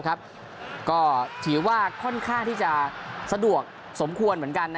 ก็ถือว่าค่อนข้างที่จะสะดวกสมควรเหมือนกัน